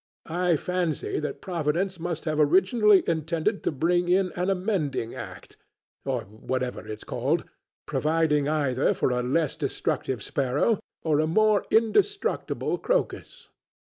I fancy that Providence must have originally intended to bring in an amending Act, or whatever it's called, providing either for a less destructive sparrow or a more indestructible crocus.